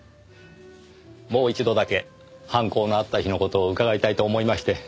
もう一度だけ犯行のあった日の事を伺いたいと思いまして。